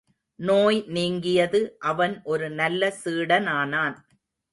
நோய் நீங்கியது அவன் ஒரு நல்ல சீடனானான்.